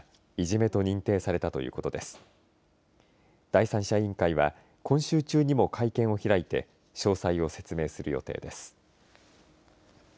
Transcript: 第三者委員会は今週中にも会見を開いて詳細を説明する予定です。